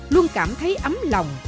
luôn cảm thấy ấm lòng